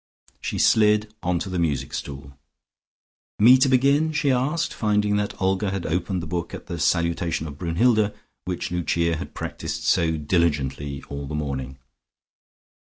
She slid onto the music stool. "Me to begin?" she asked, finding that Olga had opened the book at the salutation of Brunnhilde, which Lucia had practised so diligently all the morning.